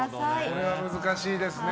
これは難しいですね。